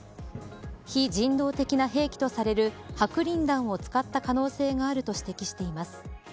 非人道的な兵器とされる白リン弾を使った可能性があると指摘しています。